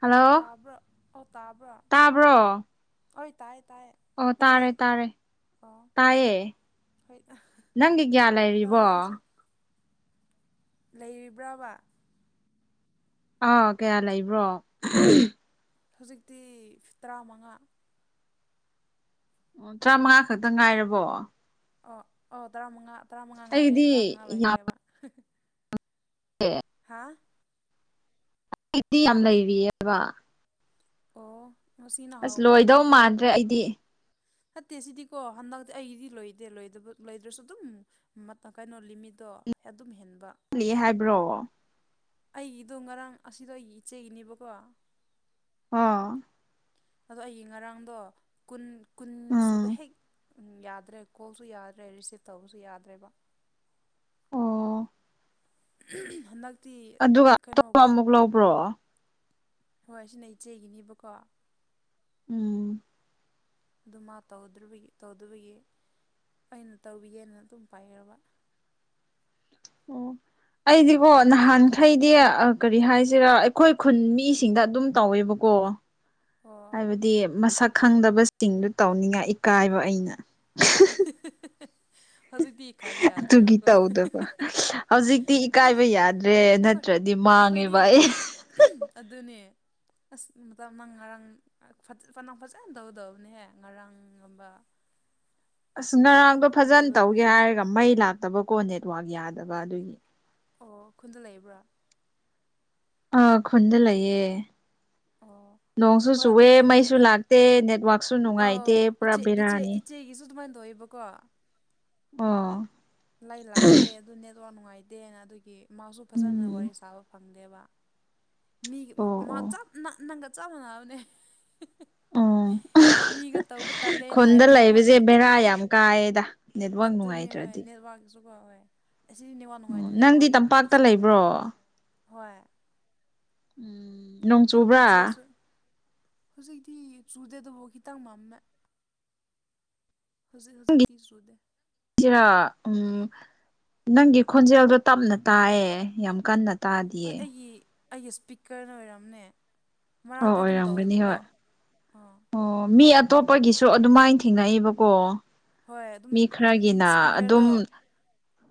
Hello ꯇꯥꯕ꯭ꯔ ꯑꯣ ꯇꯥꯕ꯭ꯔꯥ ꯇꯥꯕ꯭ꯔꯣ ꯍꯣꯏ ꯇꯥꯏ ꯇꯥꯏꯌꯦ ꯑꯣ ꯅꯪꯗꯤ ꯇꯥꯔꯦ ꯇꯥꯔꯦ ꯑꯣ ꯇꯥꯏꯌꯦ ꯍꯣꯏ ꯅꯪꯒꯤ ꯒꯌꯥ ꯂꯩꯔꯤꯕꯣ ꯇꯥꯔꯦ ꯑꯩꯁꯨ ꯂꯩꯔꯤꯕ꯭ꯔꯕ ꯑꯥ ꯀꯌꯥ ꯂꯩꯕ꯭ꯔꯣ ꯍꯧꯖꯤꯛꯇꯤ ꯇꯔꯥ ꯃꯉꯥ ꯑꯣ ꯇꯔꯥ ꯃꯉꯥ ꯈꯛꯇꯪ ꯉꯥꯏꯔꯕꯣ ꯑꯣ ꯑꯣ ꯇꯔꯥꯃꯉꯥ ꯇꯔꯥꯃꯉꯥ ꯉꯥꯏꯔꯦ ꯑꯩꯒꯤꯗꯤ ꯇꯔꯥꯃꯉꯥ ꯂꯣꯏꯈ꯭ꯔꯦꯕ ꯑꯦ ꯍꯥꯥ ꯑꯩꯗꯤ ꯌꯥꯝ ꯂꯩꯔꯤꯑꯦꯕ ꯑꯣ ꯉꯁꯤꯅ ꯑꯁ ꯍꯥꯎꯕ꯭ꯔꯥ ꯂꯣꯏꯗꯧ ꯅꯠꯇ꯭ꯔꯒ ꯃꯥꯟꯗ꯭ꯔꯦ ꯑꯩꯗꯤ ꯅꯠꯇꯦ ꯁꯤꯗꯤꯀꯣ ꯍꯟꯗꯛꯇꯤ ꯑꯩꯗꯤ ꯂꯣꯏꯗꯦ ꯂꯣꯏꯗ꯭ꯔꯁꯨ ꯑꯗꯨꯝ ꯀꯩꯅꯣ ꯂꯤꯃꯤꯗꯣ ꯑꯗꯨꯝ ꯍꯦꯟꯕ ꯈꯂꯤ ꯍꯥꯏꯕ꯭ꯔꯣ ꯑꯩꯒꯤꯗꯣ ꯉꯔꯥꯡ ꯑꯁꯤꯗꯣ ꯑꯩꯒꯤ ꯏꯆꯦꯒꯤꯅꯦꯕꯀꯣ ꯑ ꯑꯗꯣ ꯑꯩꯒꯤ ꯉꯔꯥꯡꯗꯣꯨꯟ ꯀꯨꯟ ꯎꯝ ꯁꯨꯕ ꯍꯦꯛ ꯎꯝ ꯌꯥꯗ꯭ꯔꯦ ꯀꯣꯜꯁꯨ ꯌꯥꯗ꯭ꯔꯦ ꯔꯤꯁꯤꯞ ꯇꯧꯕꯁꯨ ꯌꯥꯗ꯭ꯔꯦꯕ ꯑꯣ ꯍꯟꯛ ꯑꯗꯨꯒ ꯑꯇꯣꯞꯄ ꯑꯃꯨꯛ ꯂꯧꯕ꯭ꯔꯣ ꯍꯣꯏ ꯁꯤꯅ ꯏꯆꯦꯒꯤꯅꯦꯕꯀꯣ ꯎꯝ ꯑꯗꯨ ꯃꯥ ꯇꯧꯗꯔꯤꯕꯒꯤ ꯇꯧꯗꯕꯒꯤ ꯑꯩꯅ ꯇꯧꯕꯤꯒꯦꯅ ꯑꯗꯨꯝ ꯄꯥꯏꯔꯕ ꯑꯣ ꯑꯩꯗꯤꯀꯣ ꯅꯍꯥꯟꯈꯩꯗꯤ ꯑꯥ ꯀꯔꯤ ꯍꯥꯏꯁꯤꯔꯥ ꯑꯩꯈꯣꯏ ꯈꯨꯟ ꯃꯤꯁꯤꯡꯗ ꯑꯗꯨꯝ ꯇꯧꯋꯦꯕꯀꯣ ꯑꯣ ꯍꯥꯏꯕꯗꯤ ꯃꯁꯛ ꯈꯪꯗꯕꯁꯤꯡꯗꯨ ꯇꯧꯅꯤꯡꯉꯥꯏ ꯏꯀꯥꯏꯕ ꯑꯩꯅ ꯍꯧꯖꯤꯛꯇꯤ ꯏꯀꯥꯏꯕ ꯑꯗꯨꯒꯤ ꯌꯥꯗ꯭ꯔꯦꯕꯀꯣ ꯇꯧꯗꯕ ꯍꯧꯖꯤꯛꯇꯤ ꯑꯦꯁ ꯏꯀꯥꯏꯕ ꯌꯥꯗ꯭ꯔꯦ ꯑꯩꯈꯣꯏ ꯅꯠꯇ꯭ꯔꯗꯤ ꯑꯩꯈꯣꯏꯗꯤ ꯃꯥꯡꯉꯦꯕ ꯑꯩ ꯑꯗꯨꯅꯦ ꯑꯁ ꯃꯇꯝ ꯅꯪ ꯉꯔꯥꯡꯅꯪ ꯐꯖꯅ ꯇꯧꯒꯗꯕꯅꯦꯍꯦ ꯉꯔꯥꯡꯒꯨꯝꯕ ꯑꯁ ꯉꯁꯤꯗꯤ ꯉꯔꯥꯡꯗꯣ ꯐꯖꯅ ꯑꯔꯣꯏꯕ ꯇꯧꯒꯦ ꯅꯨꯃꯤꯠꯅꯤꯅ ꯍꯥꯏꯔꯒ ꯃꯩ ꯂꯥꯛꯇꯕꯀꯣ ꯅꯦꯠꯋꯥꯛ ꯌꯥꯗꯕ ꯑꯗꯨꯒꯤ ꯑꯣ ꯈꯨꯟꯗ ꯂꯩꯕ꯭ꯔꯥ ꯑ ꯈꯨꯟꯗ ꯂꯩꯌꯦꯦ ꯑꯣ ꯍꯣꯏ ꯑꯗꯨꯅꯦ ꯃꯩꯁꯨ ꯈꯨꯟꯗ ꯂꯥꯛꯇꯦ ꯅꯦꯠꯋꯥꯛꯁꯨ ꯑ ꯅꯨꯡꯉꯥꯏꯇꯦ ꯄꯨꯔꯥ ꯏꯆꯦ ꯏꯆꯦ ꯕꯦꯔꯥꯅꯤ ꯏꯆꯦꯒꯤꯁꯨ ꯑꯗꯨꯃꯥꯏꯅ ꯇꯧꯏꯕ ꯀꯣ ꯑ ꯂꯩ ꯂꯥꯛꯇꯦ ꯑꯗꯨ ꯅꯦꯠꯋꯥꯛ ꯅꯨꯡꯉꯥꯏꯇꯦꯅ ꯑꯗꯨꯒꯤ ꯃꯥꯁꯨ ꯐꯖꯅ ꯎꯝ ꯋꯥꯔꯤ ꯁꯥꯕ ꯐꯪꯗꯦꯕ ꯃꯤꯒ ꯑꯣ ꯑꯣ ꯅꯪꯒ ꯆꯞ ꯃꯥꯟꯅꯕꯅꯦ ꯑꯣ ꯃꯤꯒ ꯇꯧꯕ ꯇꯜꯂꯦꯅ ꯈꯨꯟꯗ ꯍꯥꯏꯕꯅꯦ ꯑꯃꯨꯛ ꯂꯩꯕꯁꯦ ꯑꯩꯈꯣꯏ ꯕꯦꯔꯥ ꯌꯥꯝ ꯀꯥꯏꯌꯦꯗ ꯅꯦꯠꯋꯥꯛ ꯑꯗꯨꯅꯦ ꯅꯨꯡꯉꯥꯏꯇ꯭ꯔꯗꯤ ꯅꯦꯠꯋꯥꯛꯀꯤꯁꯨꯀꯣ ꯍꯣꯏ ꯍꯣꯏ ꯑꯁꯤꯗꯤꯅꯦꯋꯥ ꯅꯨꯡꯉꯥꯏ ꯎꯝ ꯑꯗꯨꯗꯤ ꯅꯪꯗꯤ ꯋꯥꯔꯤ ꯇꯝꯄꯥꯛꯇ ꯂꯩꯕ꯭ꯔꯣ ꯁꯥꯕꯗꯣ ꯍꯣꯏ ꯎꯝ ꯅꯣꯡ ꯆꯨꯕ꯭ꯔꯥ ꯏꯆꯦꯁꯨ ꯍꯧꯖꯤꯛꯇꯤ ꯆꯨꯗꯗꯐꯣ ꯈꯤꯇꯪ ꯃꯝꯃꯦ ꯍꯧꯖꯤꯛ ꯍꯧꯖꯤꯛꯗꯤꯤ ꯁꯨꯗꯦ ꯁꯤꯔ ꯎꯝ ꯅꯪꯒꯤ ꯈꯣꯟꯖꯦꯜꯗꯣ ꯇꯞꯅ ꯇꯥꯏꯌꯦ ꯌꯥꯝ ꯀꯟꯅ ꯍꯣꯏ ꯇꯥꯗꯤꯌꯦ ꯑꯩꯒꯤ ꯑꯩꯒꯤ ꯏꯁꯄꯤꯀꯔꯅ ꯑꯣꯏꯔꯝꯅꯦ ꯑꯣ ꯃꯔꯥꯛꯛꯇꯤ ꯑꯗꯨꯝ ꯑꯣꯏꯔꯝꯒꯅꯤ ꯇꯧꯋꯦꯕꯀꯣ ꯍꯣꯏ ꯑꯥ ꯑꯣ ꯃꯤ ꯑꯇꯣꯞꯄꯒꯤꯁꯨ ꯑꯗꯨꯃꯥꯏꯅ ꯊꯦꯡꯅꯏꯕꯀꯣ ꯍꯣꯏ ꯑꯗꯨꯝ ꯃꯤ ꯈꯔꯒꯤꯅ ꯑꯗꯨꯝ ꯏꯁꯄꯤꯀꯔꯗꯣ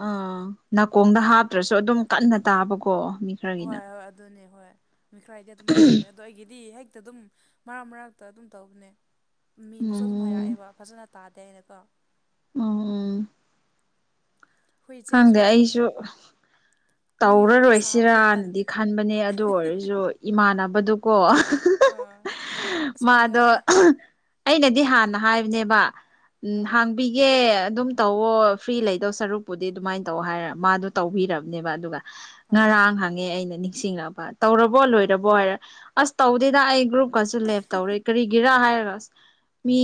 ꯑꯥ ꯅꯥꯀꯣꯡꯗ ꯍꯥꯞꯇ꯭ꯔꯁꯨ ꯑꯗꯨꯝ ꯀꯟꯅ ꯇꯥꯕꯀꯣ ꯃꯤ ꯍꯣꯏ ꯈꯔꯒꯤꯅ ꯍꯣꯏ ꯑꯗꯨꯅꯦ ꯍꯣꯏ ꯃꯤꯈ꯭ꯔꯥꯏꯗꯤ ꯑꯗꯨꯃꯥꯏꯅ ꯇꯧꯋꯤ ꯑꯗꯣ ꯑꯩꯒꯤꯗꯤ ꯍꯦꯛꯇ ꯑꯗꯨꯝ ꯃꯔꯛ ꯃꯔꯛꯇ ꯑꯗꯨꯝ ꯇꯧꯕꯅꯦ ꯃꯤꯅꯁꯨ ꯑꯗꯨꯝ ꯎꯝ ꯍꯥꯏꯔꯛꯑꯦꯕ ꯐꯖꯅ ꯇꯥꯗꯦ ꯍꯥꯏꯅꯀꯣ ꯎꯝ ꯎꯝ ꯑꯩꯈꯣꯏ ꯈꯪꯗꯦ ꯏꯆꯦꯁꯨ ꯑꯩꯁꯨ ꯃꯤꯒ ꯋꯥꯔꯤ ꯁꯥꯕꯗꯣ ꯇꯜ ꯇꯧꯔꯔꯣꯏꯁꯤꯔꯅꯗꯤ ꯈꯟꯕꯅꯦ ꯑꯗꯨ ꯑꯣꯏꯔꯁꯨ ꯏꯃꯥꯟꯅꯕꯗꯨꯀꯣ ꯑꯥ ꯑꯁ ꯃꯥꯗꯣ ꯄꯥꯝꯃꯣꯏꯍꯦ ꯑꯩꯅꯗꯤ ꯍꯥꯟꯅ ꯍꯥꯏꯕꯅꯦꯕ ꯑꯥ ꯎꯝ ꯄꯤꯒꯦ ꯑꯗꯨꯝ ꯇꯧꯋꯣ ꯐ꯭ꯔꯤ ꯂꯩꯗꯧ ꯁꯔꯨꯛ ꯄꯨꯨꯗꯤ ꯑꯗꯨꯃꯥꯏꯅ ꯇꯧ ꯍꯥꯏꯔ ꯃꯥꯗꯣ ꯇꯧꯕꯤꯔꯕꯅꯦꯕ ꯑꯗꯨꯒ ꯑꯥ ꯉꯔꯥꯡ ꯍꯪꯉꯦ ꯑꯩꯅ ꯅꯤꯡꯁꯤꯡꯉ꯫ ꯇꯧꯔꯕꯣ ꯑꯥ ꯂꯣꯏꯔꯕꯣ ꯍꯥꯏꯔ ꯑꯁ ꯇꯧꯗꯦꯗ ꯑꯩ ꯒ꯭ꯔꯨꯞꯀꯁꯨ ꯂꯦꯞ ꯇꯧꯔ꯫ ꯀꯔꯤꯒꯤꯔ ꯍꯥꯏꯔ ꯑꯁ꯫ ꯃꯤ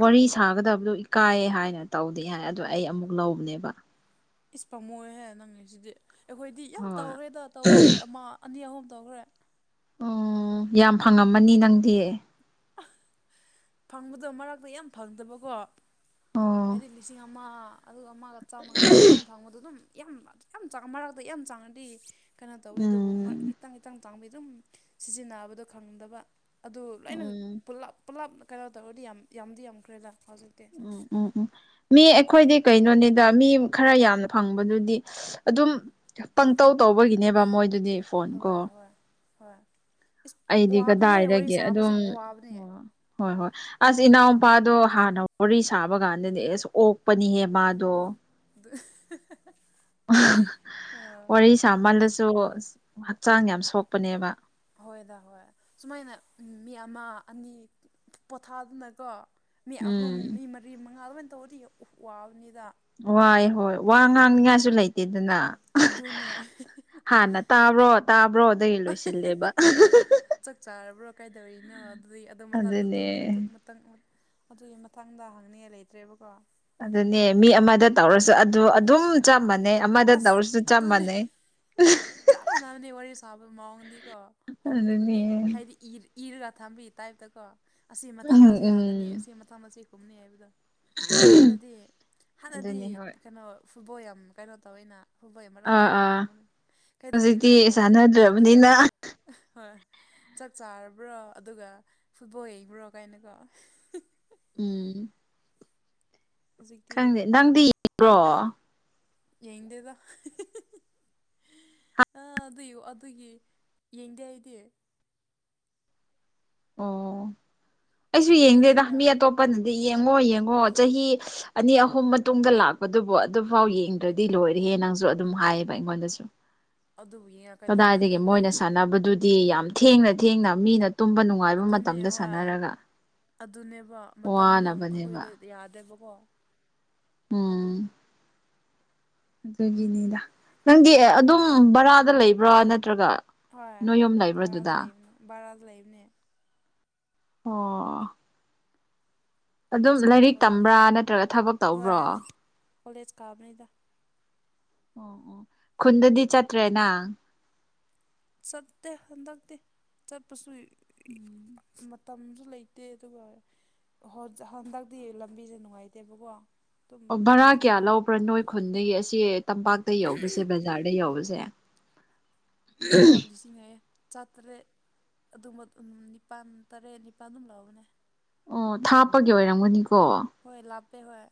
ꯋꯥꯔꯤ ꯁꯥꯒꯗꯕꯗꯨ ꯏꯀꯥꯏꯌꯦ ꯍꯥꯏꯅ ꯇꯧꯗꯦ ꯍꯥꯏ ꯑꯗꯣ ꯑꯩ ꯑꯃꯨꯛ ꯂꯧꯕꯅꯦꯕ꯫ ꯏꯁ ꯄꯝꯃꯣꯏꯍꯦ ꯅꯪꯉꯤꯁꯤꯗꯤ ꯑꯩꯈꯣꯏꯗꯤ ꯌꯥꯝ ꯍꯣꯏ ꯇꯧꯈ꯭ꯔꯦꯗ ꯇꯧꯕꯗꯤ ꯑꯃ ꯑꯅꯤ ꯑꯍꯨꯝ ꯇꯧꯈ꯭ꯔꯦ꯫ ꯎꯝ ꯌꯥꯝ ꯐꯪꯉꯝꯃꯅꯤ ꯅꯪꯗꯤ꯫ [inaudible] ꯐꯪꯕꯗꯣ ꯃꯔꯥꯛꯛꯇ ꯌꯥꯝ ꯐꯪꯗꯕꯀꯣ꯫ ꯑꯣ ꯍꯥꯏꯗꯤ ꯂꯤꯁꯤꯡ ꯑꯃ ꯑꯗꯨꯒ ꯑꯃꯒ ꯆꯥꯝꯃꯉꯥ ꯑꯗꯨꯃꯥꯏꯅ ꯐꯪꯕꯗꯣ ꯑꯗꯨꯝ꯫ ꯌꯥꯝ ꯌꯥꯝ ꯃꯔꯛꯇ ꯌꯥꯝ ꯆꯥꯡꯅꯗꯤ ꯀꯩꯅꯣ ꯇꯧꯋꯦ ꯑꯗꯨꯕꯨꯛ ꯎꯝ ꯈꯤꯇꯪ ꯈꯤꯇꯪ ꯇꯥꯡꯕꯤ ꯑꯗꯨꯝ ꯁꯤꯖꯤꯟꯅꯕꯗꯣ ꯈꯪꯗꯕ ꯑꯗꯨ ꯂꯣꯏꯅ ꯎꯝ ꯄꯨꯂꯞ ꯄꯨꯜꯂꯞ ꯀꯩꯅꯣ ꯇꯧꯔꯗꯤ ꯌꯥꯝ ꯌꯥꯝꯗꯤ ꯌꯥꯝꯈ꯭ꯔꯦꯗ ꯍꯧꯖꯤꯛꯤ ꯎꯝ ꯎꯝ ꯎꯝ ꯃꯤ ꯑꯩꯈꯣꯏꯗꯤ ꯀꯩꯅꯣꯅꯤꯗ ꯃꯤ ꯈꯔ ꯌꯥꯝꯅ ꯐꯪꯕꯗꯨꯗꯤ ꯑꯗꯨꯝ ꯄꯪꯇꯧ ꯇꯧꯕꯒꯤꯅꯦꯕ ꯃꯣꯏꯗꯨꯗꯤ ꯐꯣꯟ ꯀꯣ ꯍꯣꯏ ꯍꯣꯏ ꯍꯣꯏ ꯏꯁ ꯑꯩꯗꯤ ꯋꯥꯕꯅꯦꯍꯦ ꯋꯥꯔꯤ ꯀꯗꯥꯏꯗꯒꯤ ꯁꯥꯕꯁꯨ ꯑꯗꯨꯝ ꯋꯥꯕꯅꯦꯍꯦ ꯍꯣꯏ ꯍꯣꯏ ꯑꯁ ꯏꯅꯥꯎꯄꯥꯗꯣ ꯍꯥꯟꯅ ꯋꯥꯔꯤ ꯁꯥꯕ ꯀꯥꯟꯗꯅꯦ ꯑꯁ ꯑꯣꯛꯄꯅꯤꯍꯦ ꯃꯥꯗꯣ ꯑꯗꯨ꯫ [inaudible] ꯋꯥꯔꯤ ꯁꯥꯃꯜꯂꯁꯨ ꯍꯛꯆꯥꯡ ꯌꯥꯝ ꯁꯣꯛꯄꯅꯦꯕ꯫ ꯍꯣꯏꯗꯥ ꯍꯣꯏ ꯁꯨꯃꯥꯏꯅ ꯃꯤ ꯑꯃ ꯑꯅꯤ ꯄꯣꯊꯥꯗꯅꯀꯣ꯫ ꯃꯤ ꯑꯍꯨꯝ ꯎꯝ ꯃꯤ ꯃꯔꯤ ꯃꯉꯥ ꯂꯣꯏꯅ ꯇꯧꯔꯗꯤ ꯋꯥꯕꯅꯤꯗ꯫ ꯋꯥꯏ ꯍꯣꯏ ꯋꯥ ꯎꯝ ꯉꯥꯡꯅꯤꯉꯥꯏꯁꯨ ꯂꯩꯇꯦꯗꯅ꯫ ꯑꯗꯨꯅꯦ ꯍꯥꯟꯅ ꯇꯥꯕ꯭ꯔꯣ ꯇꯥꯕ꯭ꯔꯣꯗꯒꯤ ꯂꯣꯏꯁꯤꯜꯂꯦꯕ꯫ ꯆꯥꯛ ꯆꯥꯔꯕ꯭ꯔꯣ ꯀꯥꯏꯗꯧꯔꯤꯅꯣ ꯑꯗꯨꯗꯤ ꯑꯗꯨꯣ ꯃꯆꯥꯛ ꯑꯗꯨ꯫ ꯑꯗꯨꯅꯦ ꯈꯤꯇꯪ ꯑꯗꯨꯒꯤ ꯃꯇꯥꯡꯗ ꯍꯪꯅꯤꯡꯉꯥꯏ ꯂꯩꯇ꯭ꯔꯦꯕꯀꯣ꯫ ꯑꯗꯨꯅꯦ ꯃꯤ ꯑꯃꯗ ꯇꯧꯔꯁꯨ ꯑꯗꯨ ꯑꯗꯨꯝ꯫ ꯆꯞ ꯃꯥꯟꯅꯩ ꯑꯃꯗ ꯑꯁ ꯇꯧꯔꯁꯨ ꯆꯞ ꯑꯗꯨꯅꯦ ꯃꯥꯟꯅꯩ꯫ ꯆꯞ ꯃꯥꯟꯅꯕꯅꯤ ꯋꯥꯔꯤ ꯁꯥꯕ ꯃꯑꯣꯡꯗꯤꯀꯣ ꯍꯣꯡꯗꯕꯅꯤ ꯑꯗꯨꯅꯦ ꯍꯥꯏꯗꯤ ꯢ꯫ ꯏꯔꯒ ꯊꯝꯕꯤ ꯇꯥꯏꯞꯇꯀꯣ ꯑꯁꯤ ꯃꯊꯪꯗ ꯎꯝ ꯑꯁꯤ ꯎꯝ ꯍꯪꯒꯅꯤ ꯑꯁꯤ ꯃꯊꯪꯗ ꯑꯁꯤ ꯈꯨꯝꯅꯤ ꯍꯥꯏꯕꯗꯣ꯫ ꯍꯥꯟꯅꯗꯤ ꯍꯥꯟꯅꯗꯤ ꯑꯗꯨꯅꯤ ꯍꯣꯏ ꯀꯩꯅꯣ ꯐꯨꯠꯕꯣꯜ ꯌꯥꯝ ꯀꯩꯅꯣ ꯇꯧꯋꯦꯅ꯫ ꯍꯣꯏꯕꯩ ꯃꯔꯥꯝꯗ ꯑꯥ ꯌꯥꯝꯅ ꯑꯥ ꯉꯥꯡꯕꯅꯦ ꯀꯩꯗꯧꯔꯤꯅꯣ ꯍꯧꯖꯤꯛꯇꯤ ꯑꯗꯨꯒ꯫ ꯁꯥꯟꯅꯗ꯭ꯔꯕꯅꯤꯅ ꯍꯣꯏ ꯆꯥꯛ ꯆꯥꯔꯕ꯭ꯔꯣ ꯑꯗꯨꯒ ꯐꯨꯠꯕꯣꯜ ꯌꯩꯕ꯭ꯔꯣ ꯀꯥꯏꯅꯀꯣ꯫ ꯎꯝ꯫ ꯍꯧꯖꯤꯛꯇꯤ ꯈꯪꯗꯦ ꯅꯪꯗꯤ ꯏꯕ꯭ꯔꯣ꯫ ꯌꯦꯡꯗꯦ ꯗ꯫ ꯑ ꯑꯗꯨꯏ ꯑꯗꯨꯒꯤ ꯌꯦꯡꯗꯦ ꯑꯩꯗꯤ꯫ ꯑꯣ ꯑꯩꯁꯨ ꯅꯪ ꯌꯦꯡꯗꯦꯗ ꯌꯦꯡꯕ꯭ꯔꯥ ꯃꯤ ꯑꯇꯣꯞꯄꯅꯗꯤ ꯑꯣ ꯌꯦꯡꯉꯣ ꯌꯦꯡꯉꯣ ꯆꯍꯤ꯫ ꯑꯅꯤ ꯑꯍꯨꯝ ꯃꯇꯨꯡꯗ ꯂꯥꯛꯄꯗꯨꯕꯨ ꯑꯗꯨꯐꯥꯎ ꯌꯦꯡꯗ꯭ꯔꯗꯤ ꯂꯣꯏꯔꯦꯅ ꯅꯪꯁꯨ ꯑꯗꯨꯝ ꯍꯥꯏꯌꯦꯕ ꯑꯩꯉꯣꯟꯗꯁꯨ꯫ ꯑꯗꯨꯕꯨ ꯌꯦꯡꯉ ꯀꯩꯗꯧꯗꯣꯏꯅꯣ ꯀꯗꯥꯏꯗꯒꯤ ꯑꯩꯈꯣꯏ ꯃꯣꯏꯅ ꯁꯥꯟꯅꯕꯗꯨ꯫ ꯗꯤ ꯌꯥꯝ ꯊꯦꯡꯅ ꯊꯦꯡꯅ ꯃꯤꯅ ꯇꯨꯝꯕ ꯅꯨꯡꯉꯥꯏ꯫ ꯑꯗꯨꯅꯦ ꯍꯣꯏ ꯑꯗꯨꯅꯦꯕ ꯃꯇꯝꯗꯣ ꯋꯥꯅꯕꯅꯦꯕ ꯑꯩꯈꯣꯏꯗ꯫ ꯌꯥꯗꯦꯕꯀꯣ ꯎꯝ ꯑꯗꯨꯅꯦ꯫ ꯑꯗꯨꯒꯤꯅꯤꯗ ꯅꯪꯗꯤ ꯑꯗꯨꯝ ꯚꯔꯥꯗ ꯂꯩꯕ꯭ꯔꯥ ꯅꯠꯇ꯭ꯔꯒ꯫ ꯍꯣꯏ ꯅꯣꯏ ꯌꯨꯝ ꯂꯩꯕ꯭ꯔꯥ ꯚꯔꯥꯗ ꯑꯗꯨꯗ ꯂꯩꯕꯅꯦ ꯚꯔꯥꯗ ꯂꯩꯕꯅꯦ꯫ ꯑꯣ꯫ ꯑꯗꯨꯝ ꯀꯣꯂꯦꯖ ꯀꯥꯕ ꯂꯥꯏꯔꯤꯛ ꯑꯗꯨꯗꯒꯤ ꯇꯝꯕ꯭ꯔꯥ ꯅꯠꯇ꯭ꯔꯒ ꯊꯕꯛ ꯍꯣꯏ ꯇꯧꯕ꯭ꯔꯣ ꯑꯣ ꯀꯣꯂꯦꯖ ꯀꯥꯕꯅꯤꯗ꯫ ꯑꯣ ꯑꯣ ꯈꯨꯟꯗꯗꯤ ꯆꯠꯇ꯭ꯔꯦ ꯅꯪ꯫ ꯆꯠꯇꯦ ꯍꯟꯗꯛꯇꯤ ꯆꯠꯄꯁꯨ꯫ [inaudible] ꯃꯇꯝꯖꯨ ꯂꯩꯇꯦ ꯑꯗꯨꯒ ꯍꯟꯗꯛꯇꯤ ꯂꯝꯕꯤꯁꯦ ꯅꯨꯡꯉꯥꯏꯇꯦꯕꯀꯣ ꯑꯗꯨꯝ ꯑꯣ ꯚꯔꯥ ꯀꯌꯥ ꯅꯍꯥꯟꯒꯨꯝꯅ ꯂꯧꯕ꯭ꯔꯥ ꯅꯣꯏ ꯈꯨꯟꯗꯒꯤ ꯑꯁꯤ ꯇꯝꯄꯥꯛꯇ ꯌꯧꯕꯁꯦ ꯕꯖꯥꯔꯗ ꯌꯧꯕꯁꯦ ꯂꯤꯁ ꯂꯤꯁ [inaudible] ꯆꯤꯡꯉꯛꯑꯦ ꯆꯥꯇꯔꯦꯠ ꯑꯗꯨꯝꯕ ꯅꯤꯄꯥꯜ ꯇꯔꯦꯠ ꯅꯤꯄꯥꯜ ꯑꯗꯨꯝ ꯂꯧꯕꯅꯦ ꯑꯣ ꯊꯥꯞꯄꯒꯤ ꯑꯣꯏꯔꯝꯒꯅꯤꯀꯣ ꯍꯣꯏ ꯂꯥꯞꯄꯦ ꯍꯣꯏ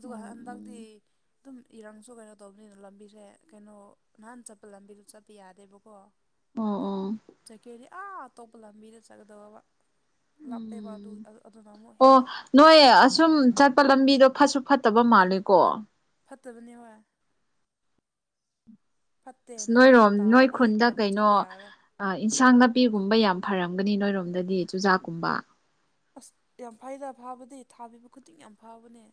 ꯑꯗꯨꯒ ꯍꯟꯗꯛꯇꯤ ꯑꯗꯨꯝ ꯏꯔꯥꯡꯁꯨ ꯀꯩꯅꯣ ꯇꯧꯕꯅꯤꯅ ꯂꯝꯕꯤꯁꯦ ꯀꯩꯅꯣ ꯅꯍꯥꯟ ꯆꯠꯄ ꯂꯝꯕꯤꯗꯣ ꯆꯠꯄ ꯌꯥꯗꯦꯕꯀꯣ ꯑꯣ ꯑꯣ꯫ ꯆꯠꯀꯦꯗꯤ ꯑꯥ ꯑꯇꯣꯞꯄ ꯂꯝꯕꯤꯗ ꯆꯠꯀꯗꯕ꯫ ꯂꯥꯞꯄꯦꯕ ꯑꯗꯨ ꯎꯝ ꯑꯗꯨꯅ ꯑꯃꯨꯛ ꯑꯣ ꯍꯦꯟꯅ꯫ ꯅꯣꯏ ꯑꯁꯨꯝ ꯆꯠꯄ ꯂꯝꯕꯤꯗꯣ ꯐꯠꯁꯨ ꯐꯠꯇꯕ ꯃꯥꯜꯂꯦꯀꯣ꯫ ꯐꯠꯇꯕꯅꯦ ꯍꯣꯏ꯫ ꯐꯠꯇꯦ ꯑꯁ ꯅꯣꯡꯃꯨꯛ ꯅꯣꯏꯔꯣꯝ ꯅꯣꯏ ꯇꯥꯗꯤ ꯈꯨꯟꯗ ꯂꯝꯕꯤ ꯆꯠꯄ ꯀꯩꯅꯣ ꯌꯥꯔꯔꯣꯏ꯫ ꯏꯟꯁꯥꯡ ꯅꯥꯄꯤꯒꯨꯝꯕ ꯌꯥꯝ ꯐꯔꯝꯒꯅꯤ ꯅꯣꯏꯔꯣꯝꯗꯗꯤ ꯆꯨꯖꯥꯛꯀꯨꯝꯕ꯫ ꯑꯁ ꯌꯥꯝ ꯐꯩꯗ ꯐꯕꯗꯤ ꯊꯥꯕꯤꯕ ꯈꯨꯗꯤꯡ ꯌꯥꯝ ꯐꯕꯅꯦ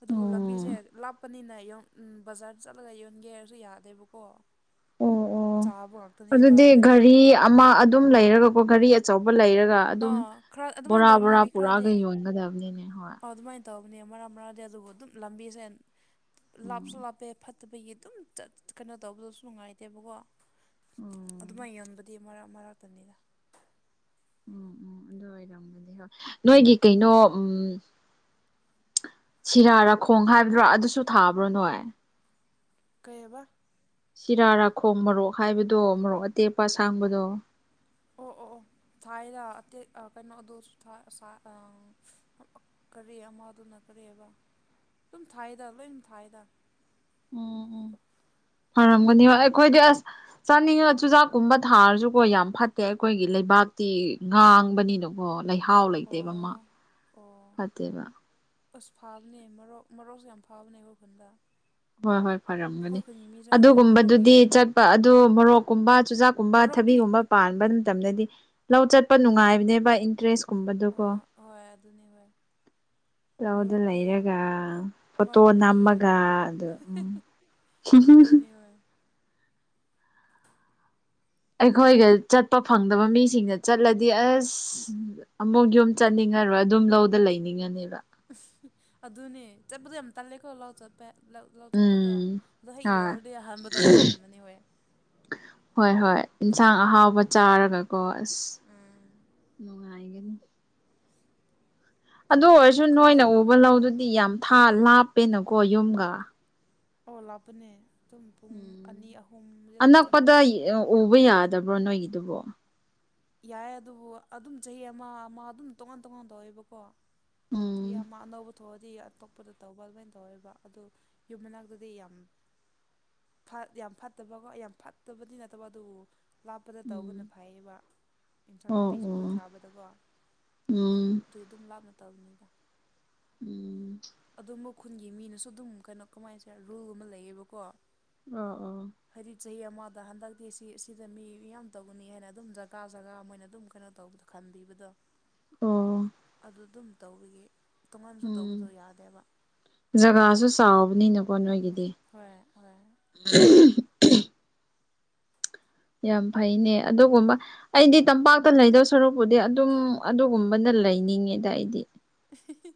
ꯑꯗꯨꯒ ꯂꯝꯕꯤꯁꯦ ꯂꯥꯞ꯫ ꯅꯛꯄꯅꯤꯅ ꯌꯨꯝ ꯕꯖꯥꯔ ꯆꯠꯂꯒ ꯌꯣꯟꯒꯦ ꯍꯥꯏꯔꯁꯨ ꯌꯥꯗꯦꯕꯀꯣ ꯑꯣ ꯑꯣ ꯆꯥꯕ ꯉꯥꯛꯇꯅꯦꯕ ꯑꯗꯨꯗꯤ ꯑꯩꯈꯣꯏꯗꯤ ꯒꯥꯔꯤ ꯑꯃ ꯑꯗꯨꯝ ꯂꯩꯔꯒꯀꯣ ꯒꯥꯔꯤ ꯑꯆꯧꯕ ꯂꯩꯔꯒ ꯑꯗꯨꯝ ꯑꯥ ꯈꯔ ꯑꯗꯨꯃꯥꯏꯅ ꯕꯣꯔꯥ ꯇꯧꯕꯅꯤ ꯕꯣꯔꯥ ꯃꯤ ꯄꯨꯔꯛ ꯈꯔꯗꯤ ꯑꯒ ꯑꯥ ꯌꯣꯟꯒꯗꯕꯅꯤꯅꯦ ꯍꯣꯏ ꯑꯗꯨꯃꯥꯏꯅ ꯇꯧꯕꯅꯦ ꯃꯔꯛ ꯃꯔꯗꯤ ꯑꯗꯨꯕꯨ ꯑꯗꯨꯝ ꯂꯝꯕꯤꯁꯦ ꯂꯥꯞꯁꯨ ꯎꯝ ꯂꯥꯞꯄꯦ ꯐꯠꯇ ꯑꯗꯨꯝ ꯀꯩꯅꯣ ꯇꯧꯕꯗꯁꯨ ꯅꯨꯡꯉꯥꯏꯇꯦꯕꯀꯣ ꯎꯝ ꯑꯗꯨꯃꯥꯏꯅ ꯌꯣꯟꯕ [inaudible] ꯗꯤ ꯃꯔꯛ ꯃꯔꯛꯇꯅꯤꯗ ꯎꯝ ꯎꯝ ꯑꯗꯨ ꯑꯣꯏꯔꯝꯒꯅꯤ ꯍꯣꯏ ꯅꯣꯏꯒꯤ ꯀꯩꯅꯣ ꯎꯝ ꯁꯤꯔꯥꯔꯥꯈꯣꯡ ꯍꯥꯏꯕ꯭ꯔꯣ ꯑꯗꯨꯁꯨ ꯊꯥꯕ꯭ꯔꯣ ꯅꯣꯏ ꯀꯩꯑꯕ ꯁꯤꯔꯥ ꯔꯥꯈꯣꯡ ꯃꯔꯣꯛ ꯍꯥꯏꯕꯗꯣ ꯃꯔꯣꯛ ꯑꯇꯦꯛꯄ ꯑꯁꯥꯡꯕꯗꯣ ꯑꯣ ꯑꯣ ꯑꯣ ꯊꯥꯏꯗ ꯑꯇꯩ ꯀꯩꯅꯣ ꯑꯗꯨ [unintelligible] ꯀꯔꯤ ꯑꯃꯗꯨꯅ ꯀꯔꯤ ꯍꯥꯢꯕ ꯑꯗꯨꯝ ꯊꯥꯏꯗ ꯂꯣꯏ ꯊꯥꯏꯗ ꯎꯝ ꯎꯝ ꯐꯔꯝꯒꯅꯤ ꯑꯩꯈꯣꯏꯗꯤ ꯑꯁ ꯆꯥꯅꯤꯡꯉ ꯆꯨꯖꯥꯛꯀꯨꯝꯕ ꯊꯥꯔꯁꯨꯀꯣ ꯌꯥꯝ ꯐꯠꯇꯦ ꯑꯩꯈꯣꯏꯒꯤ ꯂꯩꯕꯥꯛꯇꯤ ꯉꯥꯡꯕꯅꯤꯅ ꯀꯣ ꯂꯩꯍꯥꯎ ꯑꯣ ꯂꯩꯇꯦꯕ ꯃꯥ ꯑꯣ ꯐꯠꯇꯦꯕ ꯑꯁ ꯐꯕꯅꯦ ꯃꯔꯣꯛ ꯃꯔꯣꯛ ꯌꯥꯝ ꯐꯥꯕꯅꯦ ꯈꯨꯟꯗ ꯍꯣꯏ ꯍꯣꯏ ꯐꯔꯝꯒꯅꯤ ꯑꯩꯈꯣꯏ ꯈꯨꯟꯒꯤ ꯃꯤꯁꯦ ꯍꯣꯏ ꯃꯔꯣꯛꯀꯤ ꯑꯗꯨꯒꯨꯝꯕꯗꯨꯗꯤ ꯆꯠꯄ ꯑꯗꯨ ꯃꯣꯔꯣꯛꯀꯨꯝꯕ ꯆꯨꯖꯥꯛꯀꯨꯝꯕ ꯃꯔꯣꯛꯇꯤ ꯊꯕꯤꯒꯨꯝꯕ ꯄꯥꯟꯕ ꯃꯇꯝꯗꯗꯤ ꯂꯧ ꯆꯠꯄ ꯅꯨꯡꯉꯥꯏꯕꯅꯦꯕ ꯏꯟꯇꯔꯦꯁ ꯑ ꯍꯣꯏ ꯑꯗꯨꯅꯤ ꯍꯣꯏ ꯂꯧꯗ ꯃꯣꯔꯣꯛꯇꯤ ꯂꯩꯔꯒ ꯐꯣꯇꯣ ꯃꯣꯔꯣꯛꯀꯤ ꯅꯝꯃꯒ ꯎꯝ ꯍ [inaudible] [unintelligible] ꯑꯩꯈꯣꯏꯒ ꯆꯠꯄ ꯐꯪꯗꯕ ꯃꯤꯁꯤꯡꯗ ꯆꯠꯂꯗꯤ ꯑꯁ ꯑꯃꯨꯛ ꯌꯨꯝ ꯆꯠꯅꯤꯡꯉꯔꯣꯏ ꯑꯗꯨꯝ ꯂꯧꯗ ꯂꯩꯅꯤꯡꯉꯅꯤꯕ ꯑꯗꯨꯅꯦ ꯆꯠꯄꯗꯣ ꯌꯥꯝ ꯇꯜꯂꯦꯀꯣ ꯂꯧ ꯆꯠꯄ ꯂꯧ ꯆꯠꯄꯗꯣ ꯎꯝ ꯑꯗꯣ ꯍꯦꯛ ꯍꯣꯏ ꯌꯧꯔꯗꯤ ꯑꯍꯥꯟꯕꯗꯣ ꯑꯃꯨꯛ ꯇꯟꯕꯅꯤ ꯍꯣꯏ ꯍꯣꯏ ꯍꯣꯏ ꯏꯟꯁꯥꯡ ꯑꯍꯥꯎꯕ ꯆꯥꯔꯒꯀꯣ ꯑꯁ ꯎꯝ ꯉꯥꯏꯒꯦꯅꯦ ꯑꯗꯨ ꯑꯣꯏꯔꯁꯨ ꯈꯨꯟꯗ ꯅꯣꯏꯅ ꯎꯕ ꯂꯧꯗꯨꯗꯤ ꯌꯥꯝ ꯊꯥ ꯂꯥꯞꯄꯦꯅꯀꯣ ꯌꯨꯝꯒ ꯑꯣ ꯂꯥꯞꯄꯅꯦ ꯑꯗꯨꯝ ꯄꯨꯡ ꯎꯝ ꯑꯅꯤ ꯑꯍꯨꯝꯁꯦ ꯑꯗꯨꯝ ꯆꯠꯄꯅꯦ ꯑꯅꯛꯄꯗ ꯎꯕ ꯌꯥꯗꯕ꯭ꯔꯣ ꯅꯣꯏꯒꯤꯗꯨꯕꯣ ꯌꯥꯏꯌꯦ ꯑꯗꯨꯕꯨ ꯑꯗꯨꯝ ꯆꯍꯤ ꯑꯃ ꯑꯃ ꯑꯗꯨꯝ ꯇꯣꯉꯥꯟ ꯇꯣꯉꯥꯟ ꯇꯧꯋꯦꯕꯀꯣ ꯎꯝ ꯌꯥꯝ ꯑꯅꯧꯕ ꯊꯣꯛꯑꯗꯤ ꯑꯇꯣꯞꯄꯗ ꯇꯧꯕ ꯑꯗꯨꯃꯥꯏꯅ ꯇꯧꯋꯦꯕ ꯑꯗꯨ ꯌꯨꯝ ꯃꯅꯥꯛꯇꯗꯤ ꯌꯥꯝ ꯌꯥꯝ ꯐꯠꯇꯕꯀꯣ ꯌꯥꯝ ꯐꯠꯇꯕꯗꯤ ꯅꯠꯇꯕ ꯑꯗꯨꯕꯨ ꯂꯥꯞꯄꯗ ꯇꯧꯕꯅ ꯎꯝ ꯐꯩꯌꯦꯕ ꯑꯦꯟꯁꯥꯡ ꯑꯣ ꯅꯥꯄꯤꯁꯤꯡꯁꯨ ꯑꯣ ꯊꯥꯕꯗꯀꯣ ꯎꯝ ꯑꯗꯨꯗꯤ ꯑꯗꯨꯝ ꯂꯥꯞꯅ ꯇꯕꯅꯤꯗ ꯎꯝ ꯑꯗꯨꯝꯕ ꯈꯨꯟꯒꯤ ꯃꯤꯅꯁꯨ ꯑꯗꯨꯝ ꯀꯩꯅꯣ ꯀꯃꯥꯏꯅꯁꯦ ꯔꯨꯜ ꯑꯃ ꯂꯩꯌꯦꯕꯀꯣ ꯑ ꯑꯣ ꯍꯥꯏꯗꯤ ꯆꯍꯤ ꯑꯃꯗ ꯍꯟꯗꯛꯇꯤ ꯁꯤ ꯑꯁꯤꯗ ꯃꯤ ꯌꯥꯝ ꯇꯧꯒꯅꯤ ꯍꯥꯏꯅ ꯑꯗꯨꯝ ꯆꯒ ꯀꯥ ꯖꯒꯥ ꯃꯣꯏꯅ ꯑꯗꯨꯝ ꯀꯩꯅꯣ ꯇꯧꯕꯗꯣ ꯈꯟꯕꯤꯕꯗꯣ ꯑꯣ ꯑꯗꯨ ꯑꯗꯨꯝ ꯇꯧꯕꯒꯤ ꯇꯣꯉꯥꯟꯁꯨ ꯇꯧꯕꯗꯣ ꯎꯝ ꯌꯥꯗꯦꯕ ꯖꯒꯥꯁꯨ ꯆꯥꯎꯕꯅꯤꯅꯀꯣ ꯅꯣꯏꯒꯤꯗꯤ ꯍꯣꯏ ꯍꯣꯏ ꯑꯍꯝ ꯌꯥꯝ ꯐꯩꯅꯦ ꯑꯗꯨꯒꯨꯝꯕ ꯑꯩꯗꯤ ꯇꯝꯄꯥꯛꯇ ꯂꯩꯗꯧ ꯁꯔꯨꯛꯄꯨꯗꯤ ꯑꯗꯨꯝ ꯑꯗꯨꯒꯨꯝꯕꯅ ꯂꯩꯅꯤꯡꯉꯤꯗ ꯑꯩꯗꯤ ꯍꯤ ꯍꯤ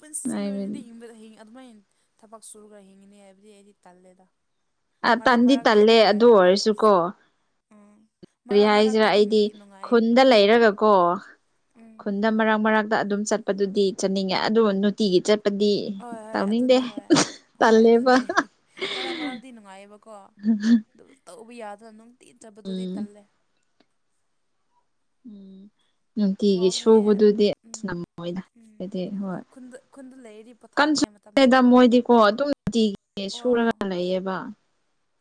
ꯄꯨꯟꯁꯤꯒꯤ ꯍꯥꯏꯕꯗꯤ ꯑꯣꯏꯅꯗꯤ ꯍꯤꯡꯕꯗ ꯍ ꯑꯗꯨꯃꯥꯏ ꯊꯕꯛ ꯁꯨꯔꯒ ꯍꯤꯡꯉꯅꯤ ꯍꯥꯏꯕꯗꯤ ꯑꯩꯗꯤ ꯇꯜꯂꯦꯗ ꯑ ꯃꯔꯛ ꯇꯟꯗꯤ ꯃꯔꯛꯇꯤ ꯇꯜꯂꯦ ꯑꯗꯨꯝ ꯌꯥꯏ ꯑꯗꯨ ꯑꯣꯏꯔꯁꯨꯀꯣ ꯎꯝ ꯀꯔꯤ ꯃꯔꯛ ꯍꯥꯏꯁꯤꯔꯥ ꯃꯔꯛꯇꯤ ꯑꯗꯨꯝ ꯑꯩꯗꯤ ꯅꯨꯡꯉꯥꯏꯌꯦ ꯈꯨꯟꯗ ꯎꯝ ꯂꯩꯔꯒꯀꯣꯟ ꯗ ꯃꯔꯛ ꯃꯔꯛꯇ ꯑꯗꯨꯝ ꯆꯠꯄꯗꯨꯗꯤ ꯆꯠꯅꯤꯡꯉꯦ ꯑꯗꯨ ꯅꯨꯡꯇꯤꯒꯤ ꯆꯠ ꯍꯣꯏ ꯍꯣꯏ ꯑꯗꯨꯅꯦ ꯍꯣꯏ ꯍꯣꯏ ꯇꯜꯂꯦꯕ ꯑꯗꯨꯅꯦ ꯃꯔꯛ ꯃꯔꯛꯇꯤ ꯅꯨꯡꯉꯥꯏꯌꯦꯕꯀꯣ ꯑꯗꯨꯕꯨ ꯇꯧꯕ ꯌꯥꯗꯅ ꯅꯨꯡꯇꯤꯖꯕꯗꯨꯗꯤ ꯎꯝ ꯇꯜꯂꯦ ꯎꯝ ꯅꯨꯡꯇꯤꯒꯤ ꯋꯥꯕꯅꯦꯍꯦ ꯁꯨꯕꯗꯨꯗꯤ ꯎꯝ ꯑꯁ ꯅꯣꯏꯅ ꯎꯝ ꯍꯥꯏꯗꯤ ꯍꯣꯏ ꯈꯨꯟꯗ ꯈꯨꯟꯗ ꯂꯩꯔꯗꯤ ꯄꯣꯊꯥꯅꯤꯡꯉꯥꯏ ꯃꯇꯝ ꯃꯦꯗꯥ ꯂꯩꯇꯕꯅꯤꯗ ꯃꯣꯏꯗꯤꯀꯣ ꯑꯗꯨꯝ ꯅꯨꯡꯇꯤ ꯑꯣ ꯁꯨꯔꯒ ꯂꯩꯌꯦꯕ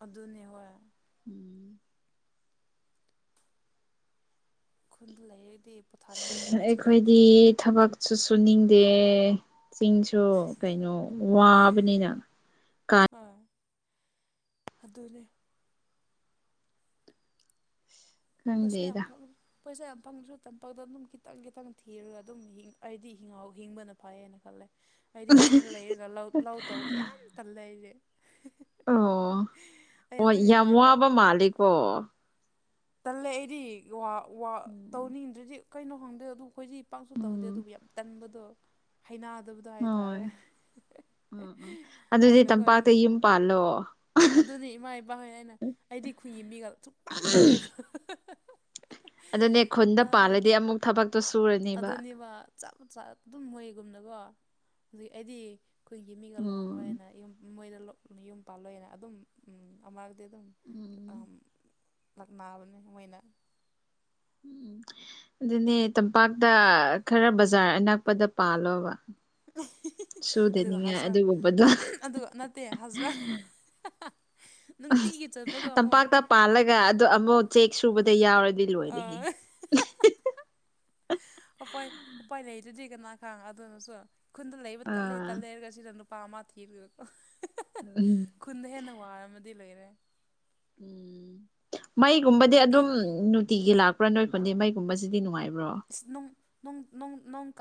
ꯑꯗꯨꯅꯦ ꯍꯣꯏ ꯎꯝ ꯈꯨꯟꯗ ꯂꯩꯔꯗꯤ ꯄꯣꯊꯥꯅꯤꯡꯉꯥꯏ ꯅꯨꯃꯤꯠꯁꯨ ꯂꯩꯇꯦ ꯑꯩꯈꯣꯏꯗꯤ ꯊꯕꯛ ꯁꯨꯠ ꯁꯨꯅꯤꯡꯗꯦ ꯆꯤꯡꯁꯨ ꯀꯩꯅꯣ ꯋꯥꯕꯅꯤꯅ ꯑ ꯑꯗꯨꯗꯅꯦ [unintelligible] ꯈꯪꯗꯦꯗ ꯄꯩꯁꯥ ꯌꯥꯝ ꯄꯪꯗꯁꯨ ꯇꯝꯐꯪꯛꯇ ꯑꯗꯨꯝ ꯈꯤꯇꯪ ꯈꯤꯇꯪ ꯊꯤꯔꯒ ꯑꯗꯨꯝ ꯑꯩꯗꯤ ꯍꯤꯡꯍꯥꯎ ꯍꯤꯡꯕꯅ ꯐꯩꯌꯦꯅ ꯈꯜꯂꯦ ꯍꯥꯏꯗꯤ ꯆꯤꯡꯗ ꯂꯩꯔꯒ ꯂꯧ ꯂꯧ ꯇꯧꯕꯁꯦ ꯌꯥꯝ ꯇꯜꯂꯦ ꯑꯩꯗꯤ ꯑꯣ ꯑꯣ ꯌꯥꯝ ꯏꯄꯥ ꯋꯥꯕ ꯃꯥꯜꯂꯤꯀꯣ ꯇꯜꯂꯦ ꯑꯩꯗꯤ ꯎꯝ ꯇꯧꯅꯤꯡꯗ꯭ꯔꯗꯤ ꯀꯩꯅꯣ ꯈꯪꯗꯦ ꯑꯗꯨ ꯑꯩꯈꯣꯏꯁꯦ ꯏꯄꯥꯛꯁꯨ ꯇꯧꯗꯦ ꯎꯝ ꯑꯗꯨꯕꯨ ꯌꯥꯝ ꯇꯟꯕꯗꯣ ꯍꯩꯅꯗꯕꯗꯣ ꯍꯣꯏ ꯍꯥꯏꯇꯥꯔꯦ ꯎꯝ ꯎꯝ ꯑꯗꯨꯗꯤ ꯑꯩꯅ ꯀꯣ ꯇꯝꯄꯥꯛꯇ ꯏꯃ ꯌꯨꯝ ꯄꯥꯜꯂꯣ ꯑꯗꯨꯅꯤ ꯏꯃꯥ ꯏꯄꯥ ꯍꯣꯏ ꯑꯩꯅ ꯑꯩꯗꯤ ꯈꯏꯉꯤ ꯃꯤꯒ ꯁꯨꯡꯄꯥꯟ ꯄꯥꯜꯂꯒ ꯑꯗꯨꯅꯦ ꯈꯨꯟꯗ ꯄꯥꯜꯂꯗꯤ ꯑꯃꯨꯛ ꯊꯕꯛ ꯑꯗꯨꯅꯦꯕ ꯆꯞꯄ ꯆ ꯑꯗꯨꯝ ꯃꯣꯏꯒꯨꯝꯅꯀꯣ ꯍꯧꯖꯤꯛ ꯑꯩꯗꯤ ꯑꯩꯈꯣꯏꯒꯤ ꯃꯤꯒ ꯎꯝ ꯂꯨꯍꯣꯡꯂꯣꯏꯅ ꯌꯨꯝ ꯃꯣꯏꯗ ꯌꯨꯝ ꯄꯥꯜꯂꯣꯏꯅ ꯑꯗꯨꯝ ꯑꯔꯗ ꯑꯗꯨ ꯎꯝ ꯂꯅꯥꯕꯅꯤ ꯃꯩꯅ ꯎ ꯑꯗꯨꯅꯦ ꯇꯝꯄꯥꯛꯇ ꯈꯔ ꯕꯖꯥꯔ ꯑꯅꯛꯄꯗ ꯄꯥꯜꯂꯣꯕ ꯑꯗꯨꯒ ꯁꯨꯗꯅꯤꯡꯉꯥꯏ ꯑꯗꯨꯒꯨꯝꯕꯗꯣ ꯍꯥꯏꯖꯔꯥ ꯑꯗꯨꯒ ꯗꯦ ꯍꯥꯖꯔꯥ ꯅꯨꯡꯇꯤꯒ ꯆꯠꯄꯒꯣ ꯑꯃꯨꯛ ꯇꯝꯄꯥꯛꯇ ꯄꯥꯜꯂꯒ ꯑꯗ ꯑꯃꯨꯛ ꯆꯦꯛ ꯁꯨꯕꯗ ꯌꯥꯎꯔꯗꯤ ꯂꯣꯏꯔꯏ ꯑꯥ ꯎꯄꯥꯏ ꯎꯄꯥꯏ ꯂꯩꯗꯨꯗꯤ ꯀꯅꯥ ꯈꯥꯡ ꯑꯗꯨꯅꯁꯨ ꯈꯨꯟꯗ ꯂꯩꯕ ꯇꯠꯂꯦ ꯑꯥ ꯇꯠꯂꯦ ꯍꯥꯏꯔꯒ ꯁꯤꯗ ꯄꯥꯃ ꯊꯤꯔꯒꯀꯣ ꯎꯝ ꯈꯨꯟꯗ ꯍꯦꯟꯅ ꯋꯥꯔꯒꯗꯤ ꯂꯩꯔꯣꯢ ꯎꯝ ꯃꯩꯒꯨꯝꯕꯗꯤ ꯑꯗꯨꯝ ꯇꯤꯒꯤ ꯂꯥꯛꯄ꯭ꯔꯥ ꯅꯣꯏ ꯐꯟꯗꯦ ꯃꯩꯒꯨꯝꯕꯁꯤꯗꯤ ꯅꯨꯡꯉꯥꯏꯕ꯭ꯔꯣ ꯏꯁ ꯅꯣꯡ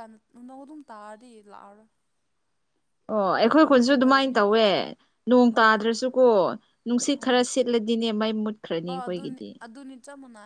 ꯑꯗꯨꯝ ꯇꯥꯔꯗꯤ ꯂꯥꯛꯑꯔꯣꯏ ꯑꯣ ꯌꯥꯝ ꯑꯩꯈꯣꯏ ꯈꯨꯟꯁꯨ ꯏꯔꯤꯒꯨꯂꯔ ꯑꯗꯨꯃꯥꯏꯅ ꯑꯣꯏꯕꯅꯦ ꯇꯧꯋꯦ ꯑꯩꯈꯣꯏꯗꯁꯨ ꯅꯣꯡ ꯑꯣ ꯇꯥꯗ꯭ꯔꯁꯨꯀꯣ ꯅꯨꯡꯁꯤꯠ ꯎꯝ ꯈꯔ ꯁꯤꯠꯂꯗꯤꯅꯦ ꯃꯩ ꯃꯨꯠꯈ꯭ꯔꯅꯤ ꯑꯩꯈꯣꯏꯒꯤꯗꯤ ꯆꯃꯨꯅꯥ